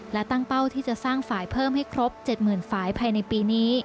และตั้งเป้าที่จะสร้างฝ่ายเพิ่มให้ครบ๗๐๐ฝ่ายภายในปีนี้